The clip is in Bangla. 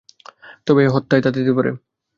তবে হত্যায় তা দিতে পারে।